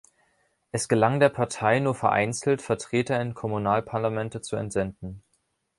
Es gelang der Partei nur vereinzelt, Vertreter in Kommunalparlamente zu entsenden.